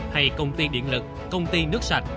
hay công ty điện lực công ty nước sạch